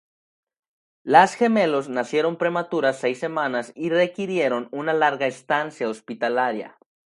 Las gemelos nacieron prematuras seis semanas y requirieron una larga estancia hospitalaria.